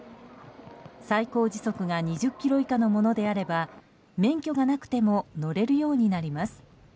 最高時速が２０キロ以下のものであれば免許がなくても乗れるようになります。